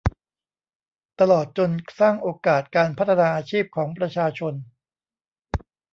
ตลอดจนสร้างโอกาสการพัฒนาอาชีพของประชาชน